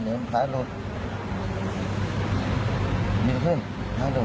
เดี๋ยวมันขาหลุดลืมขึ้นขาหลุด